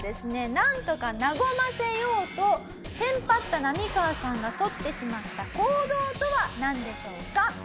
なんとか和ませようとテンパったナミカワさんが取ってしまった行動とはなんでしょうか？